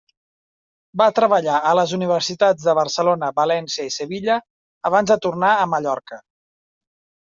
Va treballar a les universitats de Barcelona, València i Sevilla, abans de tornar a Mallorca.